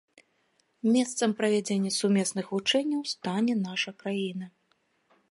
Месцам правядзення сумесных вучэнняў стане наша краіна.